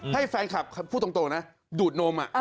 ให้แฟนคลับพูดตรงนะดูดนม